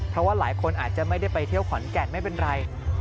เพราะว่าหลายคนอาจจะไม่ได้ไปเที่ยวขอนแก่นไม่เป็นไร